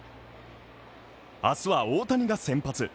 明日は大谷が先発。